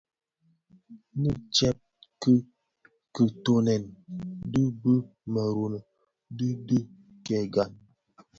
Nnë tsèb ki kitöňèn dhi bi mërōňa di dhi kè gan.